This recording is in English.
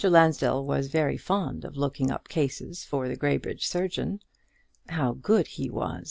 Lansdell was very fond of looking up cases for the Graybridge surgeon. How good he was!